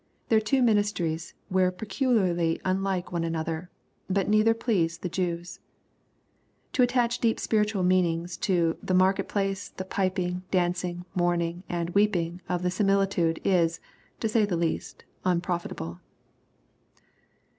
Their two ministries were peculiarly unlike one another. But neither pleased the Jews. To attach deep spiritual meanings to the " market place," the " piping," " dancing," " mourning, and " weeping," of the sim ilitude, is, to say the least^ unprofitable.